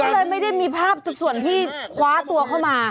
ก็เลยไม่ได้มีภาพส่วนที่คว้าตัวเข้ามา